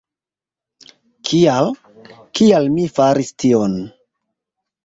Kial, kial mi faris tion?